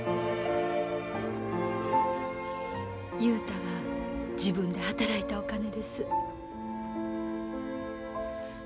雄太が自分で働いたお金です。